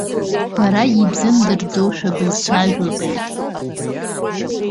Бара ибзымдырӡошәа бызцәажәозеи?!